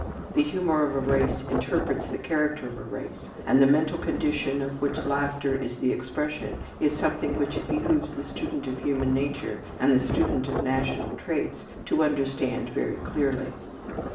The humour of a race interprets the character of a race, and the mental condition of which laughter is the expression is something which it behooves the student of human nature and the student of national traits to understand very clearly.